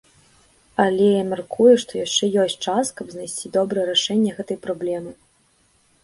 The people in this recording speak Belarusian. Але я мяркую, што яшчэ ёсць час, каб знайсці добрае рашэнне гэтай праблемы.